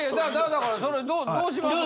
だからそれどうします？